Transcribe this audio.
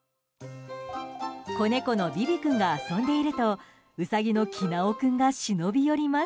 子猫のビビ君が遊んでいるとウサギのキナオ君が忍び寄ります。